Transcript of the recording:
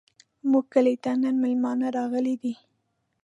زموږ کلي ته نن مېلمانه راغلي دي.